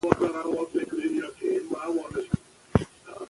تاسي باید تاریخ په دقت ولولئ.